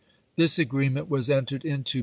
This agreement was entered into be chap.